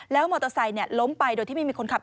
มอเตอร์ไซค์ล้มไปโดยที่ไม่มีคนขับ